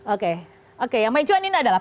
oke oke yang paling cuan ini adalah